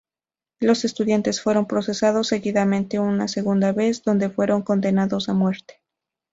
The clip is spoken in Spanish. Los estudiantes fueron procesados seguidamente una segunda vez, donde fueron condenados a muerte.